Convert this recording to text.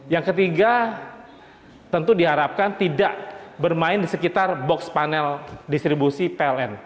yang ketiga tentu diharapkan tidak bermain di sekitar box panel distribusi pln